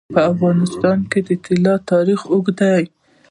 په افغانستان کې د طلا تاریخ اوږد دی.